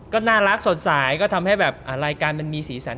ก็น่ารักสดใสก็ทำให้แบบรายการมันมีสีสัน